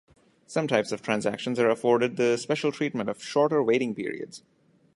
Some types of transactions are afforded the special treatment of shorter waiting periods.